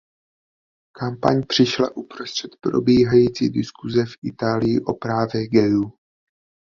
Kampaň přišla uprostřed probíhající diskuse v Itálii o právech gayů.